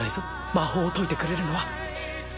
魔法を解いてくれるのは。